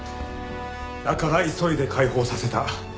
だから急いで解放させた。